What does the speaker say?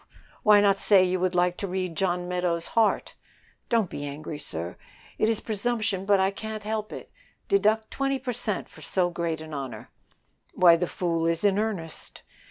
"Why not say you would like to read John Meadows' heart?" "Don't be angry, sir; it is presumption, but I can't help it. Deduct twenty per cent for so great a honor." "Why, the fool is in earnest."